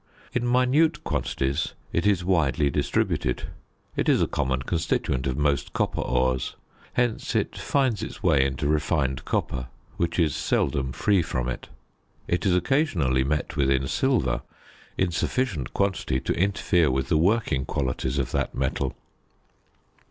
In minute quantities it is widely distributed: it is a common constituent of most copper ores; hence it finds its way into refined copper, which is seldom free from it. It is occasionally met with in silver in sufficient quantity to interfere with the working qualities of that metal.